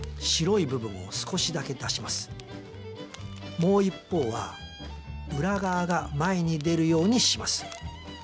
もう一方は裏側が前に出るようにします。